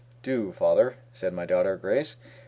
Do, father," said my daughter Grace.